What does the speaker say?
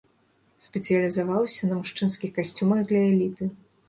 Спецыялізаваўся на мужчынскіх касцюмах для эліты.